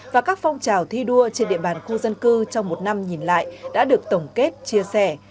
và các phong trào thi đua trên địa bàn khu dân cư trong một năm nhìn lại đã được tổng kết chia sẻ